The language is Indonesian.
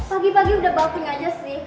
pagi pagi udah bafting aja sih